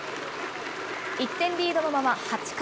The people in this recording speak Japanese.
１点リードのまま８回。